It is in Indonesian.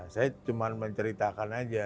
saya cuma menceritakan saja